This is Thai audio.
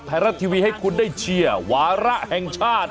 ไทยรัฐทีวีให้คุณได้เชียร์วาระแห่งชาติ